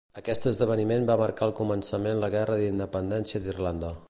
Aquest esdeveniment va marcar el començament la Guerra d'Independència d'Irlanda.